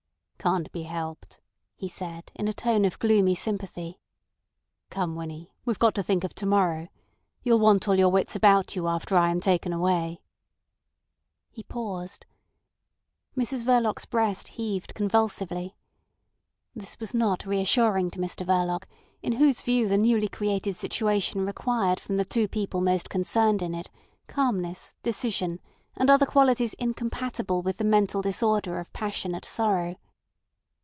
"Can't be helped," he said in a tone of gloomy sympathy. "Come, Winnie, we've got to think of to morrow. You'll want all your wits about you after I am taken away." He paused. Mrs Verloc's breast heaved convulsively. This was not reassuring to Mr Verloc, in whose view the newly created situation required from the two people most concerned in it calmness, decision, and other qualities incompatible with the mental disorder of passionate sorrow.